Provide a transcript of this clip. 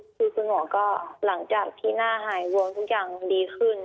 คือคุณหมอก็หลังจากที่หน้าหายบวมทุกอย่างดีขึ้น